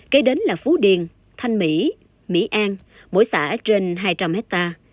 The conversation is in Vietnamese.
kế đến là phú điền thanh mỹ mỹ an mỗi xã trên hai trăm linh hectare